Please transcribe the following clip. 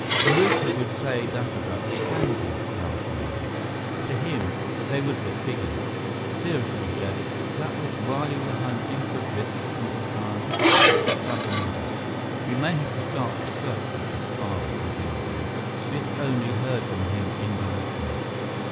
"Kamuka would say that about the Andes," laughed Li. "To him, they would look bigger." Seriously, he added, "That was while you were hunting for Biff's Uncle Charlie?" Chuba nodded. "We may have to start a search for Biff's father," continued Li. "Biff only heard from him indirectly."